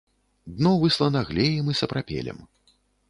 Дно выслана глеем і сапрапелем.